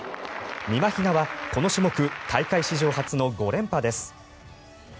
みまひなは、この種目大会史上初の５連覇です。